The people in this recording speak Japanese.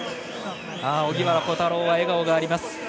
荻原虎太郎は笑顔があります。